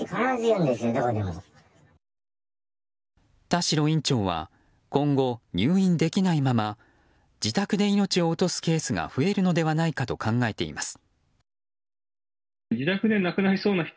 田代院長は今後、入院できないまま自宅で命を落とすケースが増えるのではないかと考えています。